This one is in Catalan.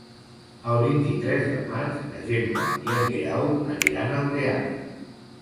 El vint-i-tres de maig na Gemma i en Guerau aniran al teatre.